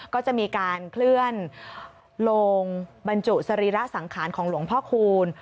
ก็จะมีการเคลื่อนโลงบรรจุสรีระสังขารของหลวงพ่อคูณ